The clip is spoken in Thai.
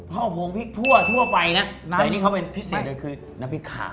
พ่อผงพริกทั่วไปนะแต่นี่เขาเป็นพิเศษเลยคือน้ำพริกขา